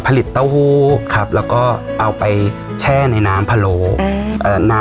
เต้าหู้ครับแล้วก็เอาไปแช่ในน้ำพะโลอืมเอ่อน้ำ